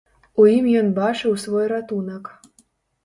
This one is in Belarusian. У ім ён бачыў свой ратунак.